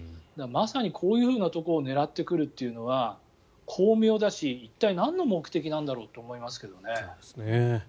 まさにこういうところを狙ってくるというのは巧妙だし一体、何の目的なんだろうと思いますけどね。